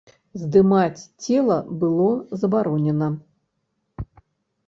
Здымаць цела было забаронена.